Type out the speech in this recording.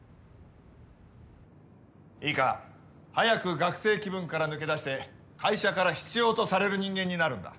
いいか？早く学生気分から抜け出して会社から必要とされる人間になるんだ。